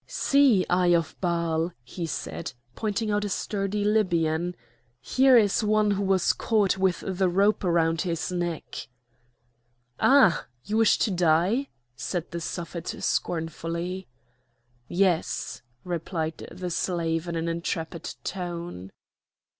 "See, Eye of Baal," he said, pointing out a sturdy Libyan, "here is one who was caught with the rope round his neck." "Ah! you wish to die?" said the Suffet scornfully. "Yes!" replied the slave in an intrepid tone.